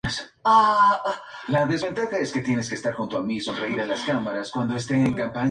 Por su trabajo en televisión ha ganado ya dos premios Emmy.